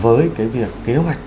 với cái việc kế hoạch